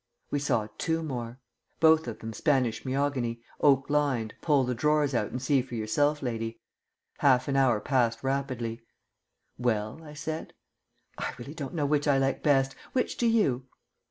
We saw two more. Both of them Spanish me'ogany, oak lined, pull the drawers out and see for yourself lady. Half an hour passed rapidly. "Well?" I said. "I really don't know which I like best. Which do you?"